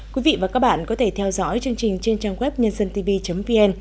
quý vị và các bạn có thể theo dõi chương trình trên trang web nhândân tv vn